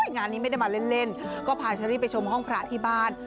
งานนี้ไม่ได้มาเล่นก็พาเชอรี่ไปชมห้องพระที่บ้าน